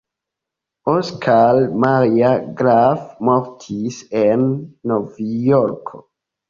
Oskar Maria Graf mortis en Novjorko.